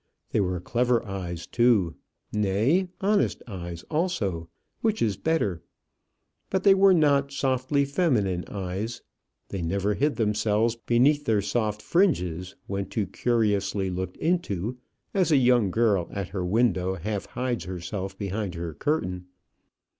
They were clever eyes too nay, honest eyes also, which is better. But they were not softly feminine eyes. They never hid themselves beneath their soft fringes when too curiously looked into, as a young girl at her window half hides herself behind her curtain.